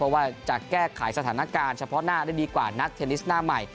ว่าจะแก้ไขสถานการณ์เฉพาะหน้าได้ดีกว่านักเทนนิสหน้าใหม่